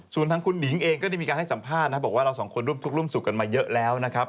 ส่วนทางคุณหนิงเองก็ได้มีการให้สัมภาษณ์นะครับบอกว่าเราสองคนร่วมทุกข์ร่วมสุขกันมาเยอะแล้วนะครับ